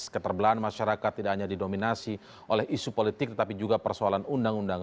keterbelahan masyarakat tidak hanya didominasi oleh isu politik tetapi juga persoalan undang undang